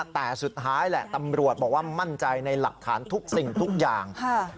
แต่สุดท้ายแหละตำรวจบอกว่ามั่นใจในหลักฐานทุกสิ่งทุกอย่าง